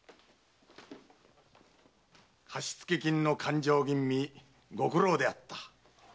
貸付金の勘定吟味ご苦労であった。